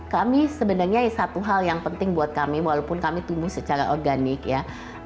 kami sebenarnya satu hal yang penting buat kami walaupun kami tumbuh secara organik ya